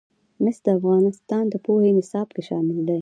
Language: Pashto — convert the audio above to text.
مس د افغانستان د پوهنې نصاب کې شامل دي.